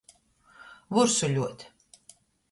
Vursuļuot.